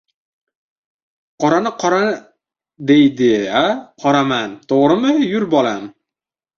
Qorani qora deydi-da! Qoraman! To‘g‘rimi? Yur, bolam!